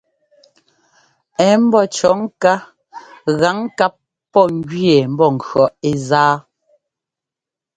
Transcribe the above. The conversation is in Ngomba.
Ɛ̌ mbɔ́ cʉ̈ɔ ŋká gǎŋ ŋkap pɔ̂ njʉɛɛ mbɔnkʉ̈ɔ ɛ́ zá.